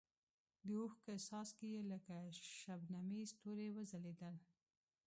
د اوښکو څاڅکي یې لکه شبنمي ستوري وځلېدل.